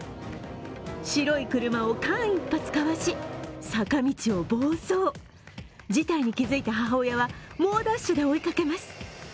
白い車を間一髪かわし、坂道を暴走事態に気付いた母親は猛ダッシュで追いかけます。